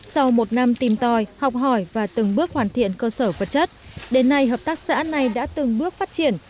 sau một năm tìm tòi học hỏi và từng bước hoàn thiện cơ sở vật chất đến nay hợp tác xã này đã từng bước phát triển